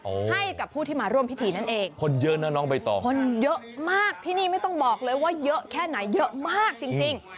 ให้กับผู้ที่มาร่วมพิธีนั่นเองคนเยอะนะน้องใบตองคนเยอะมากที่นี่ไม่ต้องบอกเลยว่าเยอะแค่ไหนเยอะมากจริงจริง